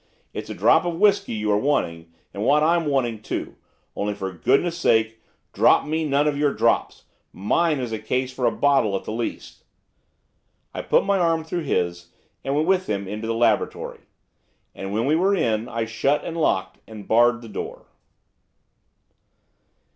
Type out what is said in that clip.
It's a drop of whisky you are wanting, and what I'm wanting too, only, for goodness sake, drop me none of your drops! Mine is a case for a bottle at the least.' I put my arm through his, and went with him into the laboratory. And, when we were in, I shut, and locked, and barred the door.